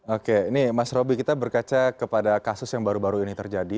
oke ini mas roby kita berkaca kepada kasus yang baru baru ini terjadi